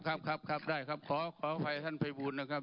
ครับครับครับได้ครับขอภัยท่านพระบูรณ์นะครับ